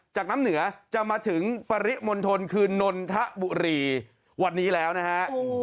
น้ำเหนือจะมาถึงปริมณฑลคือนนทบุรีวันนี้แล้วนะฮะ